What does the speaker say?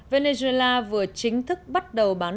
venezuela vừa chính thức bắt đầu bán